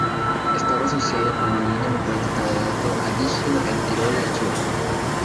Estaba asociado con la Unión Democrática del Alto Adigio en Tirol del Sur.